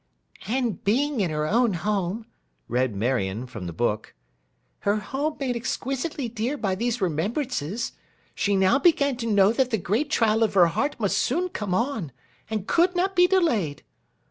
'"And being in her own home,"' read Marion, from the book; '"her home made exquisitely dear by these remembrances, she now began to know that the great trial of her heart must soon come on, and could not be delayed.